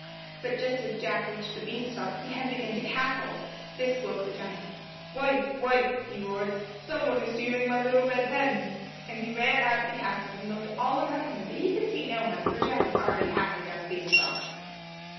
But just as Jack reached the bean stalk the hen began to cackle. This woke the giant. "Wife, wife," he roared, "someone is stealing my little red hen," and he ran out of the castle and looked all about him; but he could see no one, for Jack was already half way down the bean stalk.